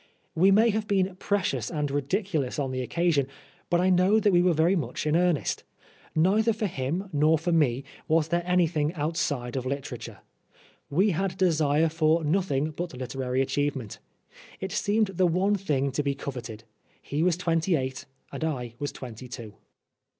We may have been precious and ridiculous on the occasion but I know that we were very much in earnest. Neither for him nor for me was there anything outside of literature. We had desire for nothing but literary achieve ment. It seemed the one thing to be coveted. He was twenty eight and I was twenty two.